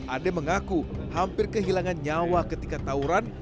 ade mengaku hampir kehilangan nyawa ketika tauran